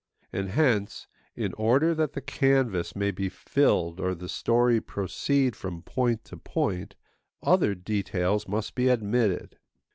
And hence, in order that the canvas may be filled or the story proceed from point to point, other details must be admitted.